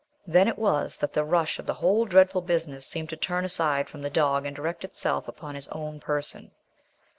Then it was that the rush of the whole dreadful business seemed to turn aside from the dog and direct itself upon his own person.